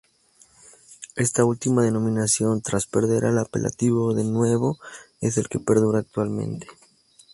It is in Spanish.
Esta última denominación, tras perder el apelativo de "Nuevo" es el que perdura actualmente.